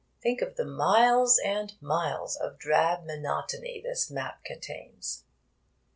Think of the miles and miles of drab monotony this map contains!